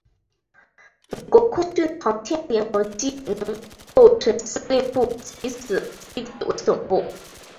美国空军的航天联合机能构成司令部即以此基地为总部。